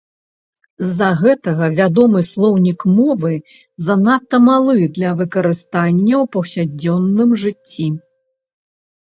З-за гэтага вядомы слоўнік мовы занадта малы для выкарыстання ў паўсядзённым жыцці.